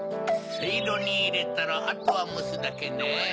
せいろにいれたらあとはむすだけね。